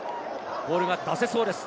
ボールが出せそうです。